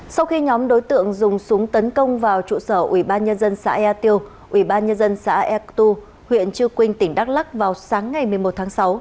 sau khi nhóm đối tượng dùng súng tấn công vào trụ sở ubnd xã ea tiêu ubnd xã ea tu huyện chư quynh tỉnh đắk lắc vào sáng ngày một mươi một tháng sáu